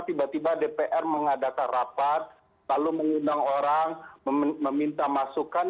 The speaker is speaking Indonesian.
tiba tiba dpr mengadakan rapat lalu mengundang orang meminta masukan